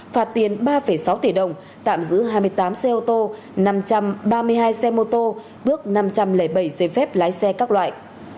phạt tiền ba sáu tỷ đồng tạm giữ hai mươi tám xe ô tô năm trăm ba mươi hai xe mô tô bước năm trăm linh bảy giấy phép lái xe các loại